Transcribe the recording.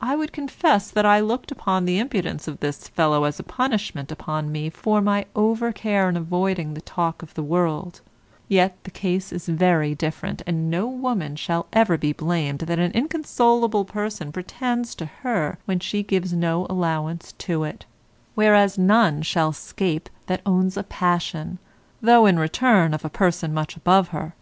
I would confess that I looked upon the impudence of this fellow as a punishment upon me for my over care in avoiding the talk of the world; yet the case is very different, and no woman shall ever be blamed that an inconsolable person pretends to her when she gives no allowance to it, whereas none shall 'scape that owns a passion, though in return of a person much above her.